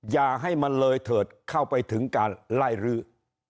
อย่าให้มันเลยเถิดเข้าไปถึงการไล่รื้อ